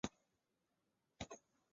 伏龙寺是义井村兴建的佛教寺院。